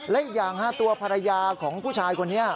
และอีกอย่างตัวภรรยาของผู้ชายคนนี้